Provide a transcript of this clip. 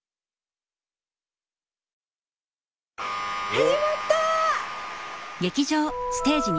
始まった！